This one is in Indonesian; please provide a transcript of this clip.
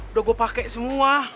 udah gue pake semua